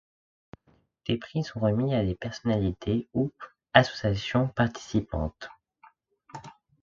Des prix sont remis à des personnalités ou associations participantes.